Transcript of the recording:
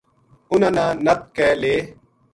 اَنھاں نا نَپ کے لے